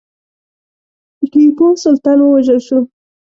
ټیپو سلطان ووژل شو.